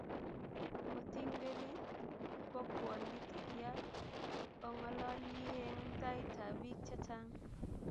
otingderi bokwondit ya ong'ololi eng taitab biik chechang